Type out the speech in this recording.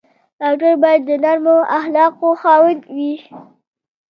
ډاکټر باید د نرمو اخلاقو خاوند وي.